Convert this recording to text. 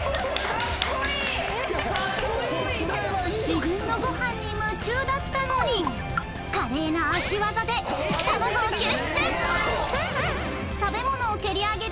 自分のご飯に夢中だったのに華麗な足技で卵を救出！